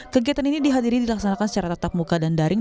kegiatan ini dihadiri dilaksanakan secara tatap muka dan daring